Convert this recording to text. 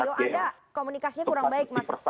audio anda komunikasinya kurang baik mas umam